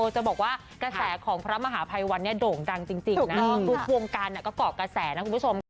จะบอกว่ากระแสของพระมหาภัยวันเนี่ยโด่งดังจริงนะทุกวงการก็เกาะกระแสนะคุณผู้ชมค่ะ